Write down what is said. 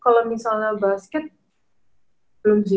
kalau misalnya basket belum sih